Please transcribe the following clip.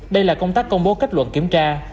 đây là công tác công bố kết luận kiểm tra